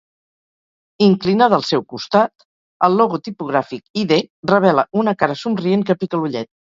Inclinada al seu costat, el logo tipogràfic "i-D" revela una cara somrient que pica l"ullet.